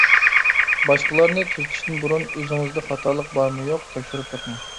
باشقىلارنى تۈزىتىشتىن بۇرۇن ئۆزىڭىزدە خاتالىق بارمۇ-يوق؟ تەكشۈرۈپ بېقىڭ.